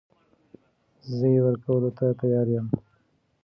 زه يې ورکولو ته تيار يم .